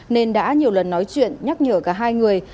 nên đã nhiều lần nói chuyện nhắc nhở cả hai người